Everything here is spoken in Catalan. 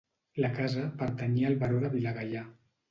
La casa pertanyia al baró de Vilagaià.